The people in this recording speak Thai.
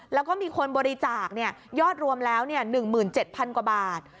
แล้วก็มีคนบริจาคเนี้ยยอดรวมแล้วเนี้ยหนึ่งหมื่นเจ็ดพันกว่าบาท